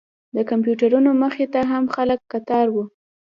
د کمپیوټرونو مخې ته هم خلک کتار و.